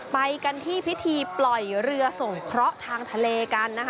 ไปกันที่พิธีปล่อยเรือส่งเคราะห์ทางทะเลกันนะคะ